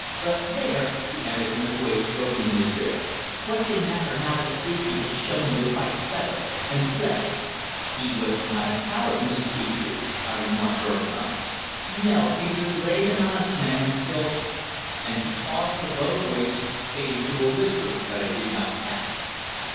But there," she added in a voice broken in despair, "what can matter now that Digby has shown the white feather and fled." "He was not a coward, Mrs. Petre," I remarked very calmly. "No. He was a brave and honest man until " and she paused, her low voice fading to a whisper that I did not catch.